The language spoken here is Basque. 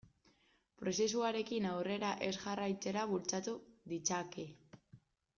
Prozesuarekin aurrera ez jarraitzera bultzatu ditzake.